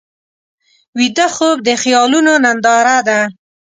ویده خوب د خیالونو ننداره ده